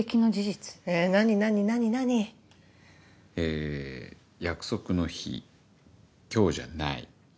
え約束の日今日じゃない。